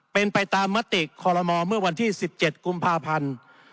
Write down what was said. เป็นไปตามมติคอลโมเมื่อวันที่๑๗กุมภาพันธ์